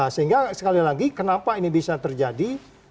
sehingga sekali lagi kenapa ini bisa terjadi